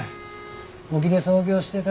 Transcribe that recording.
沖で操業してだ